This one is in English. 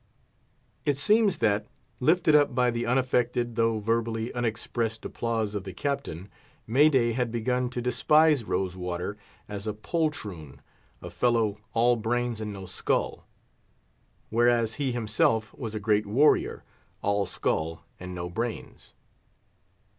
It seems that, lifted up by the unaffected, though verbally unexpressed applause of the Captain, May day had begun to despise Rose water as a poltroon—a fellow all brains and no skull; whereas he himself was a great warrior, all skull and no brains.